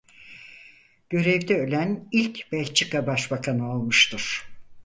Görevde ölen ilk Belçika Başbakanı olmuştur.